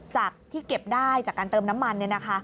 จากที่เก็บได้จากการเติมน้ำมัน